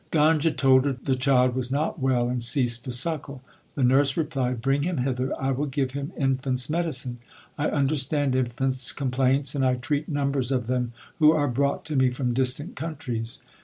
Ganga told her the child was not well and ceased to suckle. The nurse replied, Bring him hither ; I will give him infants medicine. I understand infants complaints, and I treat numbers of them who are brought to me from distant countries.